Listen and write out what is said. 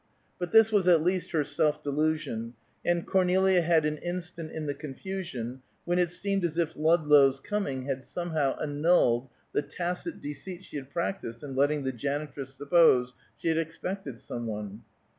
But this was at least her self delusion, and Cornelia had an instant in the confusion when it seemed as if Ludlow's coming had somehow annulled the tacit deceit she had practised in letting the janitress suppose she expected some one.